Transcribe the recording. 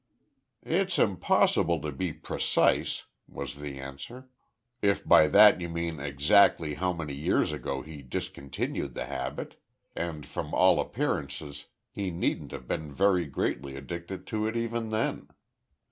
"It's impossible to be precise," was the answer, "if by that you mean exactly how many years ago he discontinued the habit and from all appearances he needn't have been very greatly addicted to it even then.